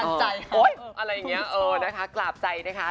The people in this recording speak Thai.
อะไรอย่างนี้เออนะคะกราบใจนะคะ